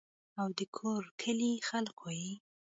او دَکور کلي خلقو ئې